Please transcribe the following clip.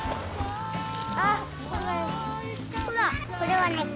あっほらこれはね